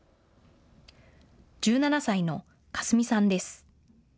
１７歳のかすみさんです。